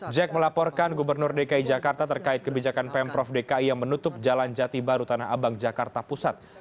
jack melaporkan gubernur dki jakarta terkait kebijakan pemprov dki yang menutup jalan jati baru tanah abang jakarta pusat